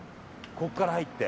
ここから入って。